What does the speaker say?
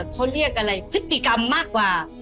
เขาเรียกอะไรพฤติกรรมมากกว่า